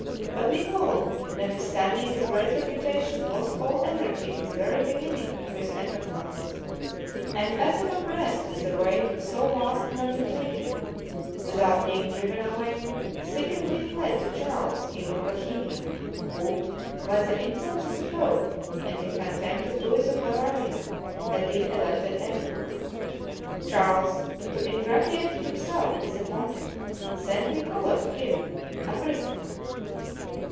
But Niccolo, notwithstanding his great reputation, lost all energy in the very beginning of his enterprise; and as if oppressed with the weight of so vast an undertaking, without being driven away, secretly fled to Charles, king of Bohemia, who, by the influence of the pope, and in contempt of Louis of Bavaria, had been elected emperor. Charles, to ingratiate himself with the pontiff, sent Niccolo to him, a prisoner.